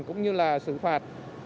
cũng như là xử phạt